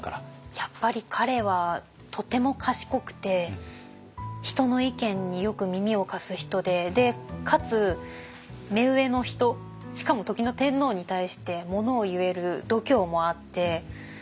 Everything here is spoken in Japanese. やっぱり彼はとても賢くて人の意見によく耳を貸す人でかつ目上の人しかも時の天皇に対してものを言える度胸もあって。